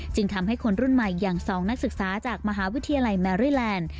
จึงทำให้คนรุ่นใหม่อย่าง๒นักศึกษาจากมหาวิทยาลัยแมรี่แลนด์